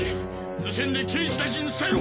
無線で刑事たちに伝えろ！